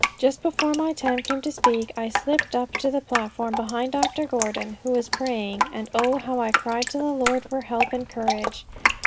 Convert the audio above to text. Just before my time came to speak I slipped up on to the platform behind Dr. Gordon, who was praying; and oh, how I cried to the Lord for help and courage!